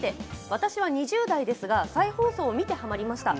私は２０代ですが再放送を見てはまりました。